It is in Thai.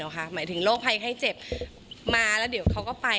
หมายถึงโรคภัยไข้เจ็บมาแล้วเดี๋ยวเขาก็ไป